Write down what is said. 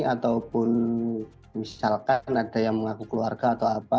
ataupun misalkan ada yang mengaku keluarga atau apa